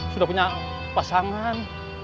sudah punya pasangan